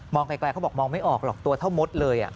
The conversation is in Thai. ไกลเขาบอกมองไม่ออกหรอกตัวเท่ามดเลย